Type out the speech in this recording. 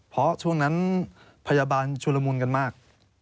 เพราะช่วงนั้นพยาบาลชุลมุนกันมาก